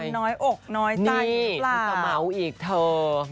นี่มีกระเมาอีกเถอะ